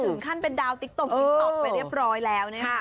ขั้นเป็นดาวติ๊กตรงติ๊กต๊อกไปเรียบร้อยแล้วนะคะ